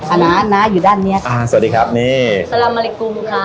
อ่าน้าน้าอยู่ด้านเนี้ยอ่าสวัสดีครับนี่สวัสดีคุณค่ะ